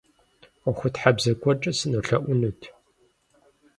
Ӏуэхутхьэбзэ гуэркӏэ сынолъэӏунут.